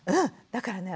だからね